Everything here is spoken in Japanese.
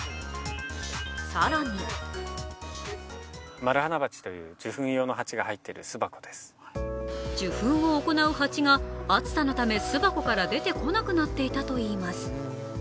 更に受粉を行う蜂が暑さのため巣箱から出てこなくなっていたといいます。